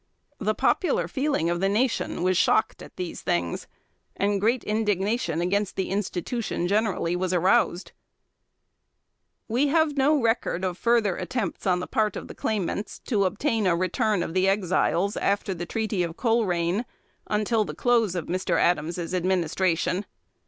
The popular feeling of the nation was shocked at these things, and great indignation against the institution, generally, was aroused. We have no record of further attempts on the part of the claimants to obtain a return of the Exiles, after the Treaty of Colerain, until the close of Mr. Adams's administration.